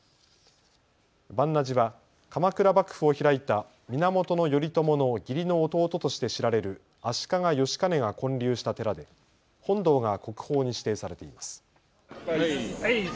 鑁阿寺は鎌倉幕府を開いた源頼朝の義理の弟として知られる足利義兼が建立した寺で本堂が国宝に指定されています。